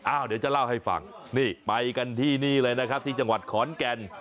เดี๋ยวจะเล่าให้ฟังนี่ไปกันที่นี่เลยนะครับที่จังหวัดขอนแก่น